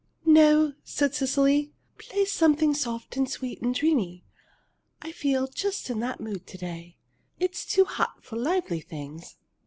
"No," said Cecily. "Play something soft and sweet and dreamy. I feel just in that mood to day. It's too hot for lively things."